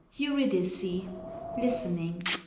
EURYDICE. _Listening.